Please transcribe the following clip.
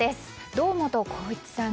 堂本光一さん